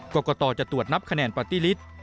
กรกตจะตรวจนับคะแนนปาร์ตี้ลิต